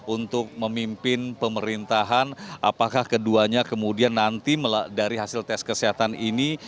untuk memimpin pemerintahan apakah keduanya kemudian nanti dari hasil tes kesehatan ini